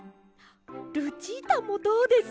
ルチータもどうです？